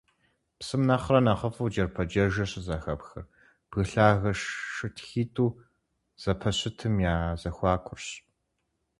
Псым нэхърэ нэхъыфIу джэрпэджэжыр щызэхэпхыр бгы лъагэ шытхитIу зэпэщытым я зэхуакурщ.